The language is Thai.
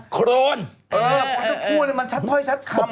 โครนเออเพราะต้องพูดมันชัดเท้าให้ชัดคำ